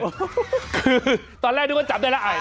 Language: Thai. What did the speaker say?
คือตอนแรกทุกคนจับได้แล้วไอนะ